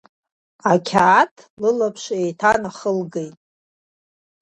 Ақьаад лылаԥш еиҭанахылгеит…